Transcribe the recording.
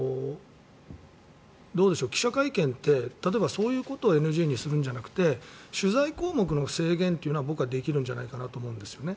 記者会見って例えばそういうことをＮＧにするんじゃなくて取材項目の制限というのは僕はできるんじゃないかなと思うんですね。